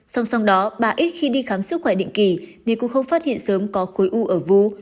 xong xong đó bà ít khi đi khám sức khỏe định kỳ nhưng cũng không phát hiện sớm có khối u ở vú